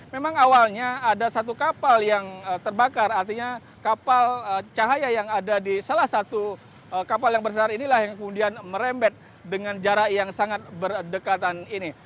memang awalnya ada satu kapal yang terbakar artinya kapal cahaya yang ada di salah satu kapal yang besar inilah yang kemudian merembet dengan jarak yang sangat berdekatan ini